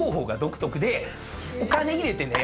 お金入れてね